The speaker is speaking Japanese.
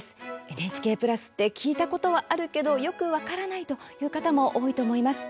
ＮＨＫプラスって聞いたことはあるけどよく分からないという方も多いと思います。